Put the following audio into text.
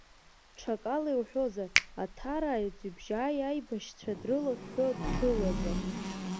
Ҽакала иуҳәозар, аҭарааи аӡҩыбжьааи аибашьцәа дрылыҳәҳәо дгылазар.